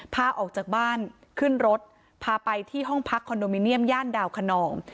พาออกจากบ้านขึ้นรถพาไปที่ห้องพักคอนโดมิเนียมย่านดาวขนอง